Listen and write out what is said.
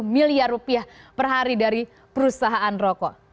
tiga ratus tiga puluh miliar rupiah per hari dari perusahaan rokok